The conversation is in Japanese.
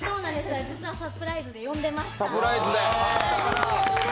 実はサプライズで呼んでました。